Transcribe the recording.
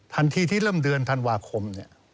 ที่เริ่มเดือนธันวาคม